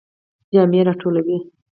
جامی را ټولوئ؟